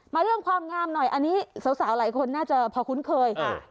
เรื่องความงามหน่อยอันนี้สาวหลายคนน่าจะพอคุ้นเคยค่ะ